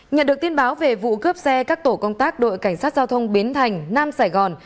nhận được tin báo về vụ cướp xe các tổ công tác đội cảnh sát giao thông biến thành nam sài gòn